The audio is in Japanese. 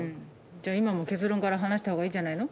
じゃあ今も結論から話したほうがいいんじゃないの？